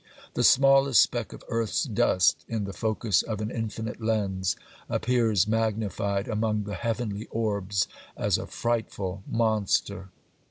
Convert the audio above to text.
The smallest speck of earth's dust, in the focus of an infinite lens, appears magnified among the heavenly orbs as a frightful monster.